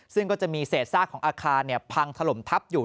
ซึ่งก็จะมีเศษซากของอาคารพังถล่มทับอยู่